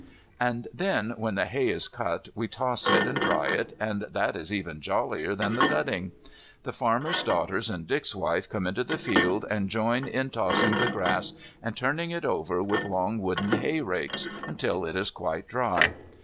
And then, when the hay is cut we toss it and dry it, and that is even jollier than the cutting. The farmer's daughters and Dick's wife come into the field and join in tossing the grass and turning it over with long wooden hayrakes, until it is quite dry.